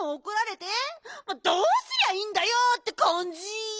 「どうすりゃいいんだよ」ってかんじ！